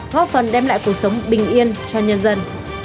góp phần đem lại cuộc sống bình yên cho nhân dân